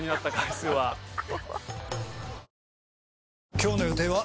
今日の予定は？